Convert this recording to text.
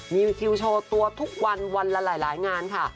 มีคิวโชว์ตัวทุกวันวันละหลายงานค่ะ